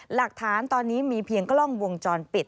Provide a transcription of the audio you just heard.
หลักฐานตอนนี้มีเพียงกล้องวงจรปิด